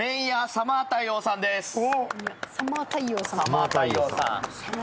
サマー太陽さま。